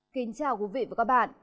kính chào quý vị và các bạn